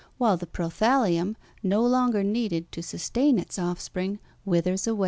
while the prothállium no longer needed to sustain its offspring withers away.